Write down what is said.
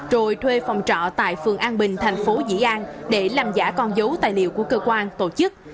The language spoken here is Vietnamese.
rồi thuê phòng trọ tại phường an bình thành phố dĩ an để làm giả con dấu tài liệu của cơ quan tổ chức